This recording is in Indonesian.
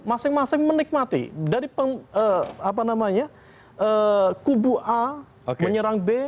masing masing menikmati dari kubu a menyerang b